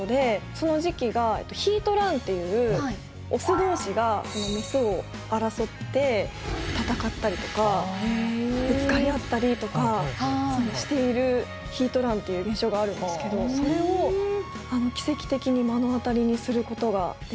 その時期がヒートランっていうオス同士がメスを争って戦ったりとかぶつかり合ったりとかしているヒートランっていう現象があるんですけどそれを奇跡的に目の当たりにすることができて。